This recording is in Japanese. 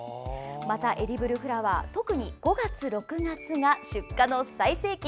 エディブルフラワーは特に５月、６月が出荷の最盛期。